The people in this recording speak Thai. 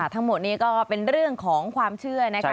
ทั้งหมดนี้ก็เป็นเรื่องของความเชื่อนะคะ